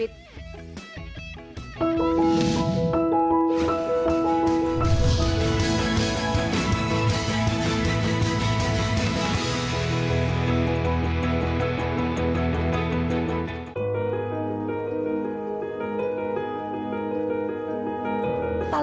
วิทยาลัยสมควร